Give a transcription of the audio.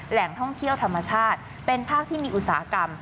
แหล่งท่องเที่ยวธรรมชาติเป็นภาคที่มีอุตสาหกรรม